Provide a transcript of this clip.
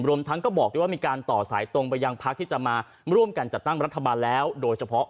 รวมทั้งก็บอกด้วยว่ามีการต่อสายตรงไปยังพักที่จะมาร่วมกันจัดตั้งรัฐบาลแล้วโดยเฉพาะ